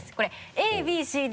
ＡＢＣＤ